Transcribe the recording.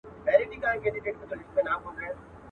نن به یې ستره او سنګینه تنه.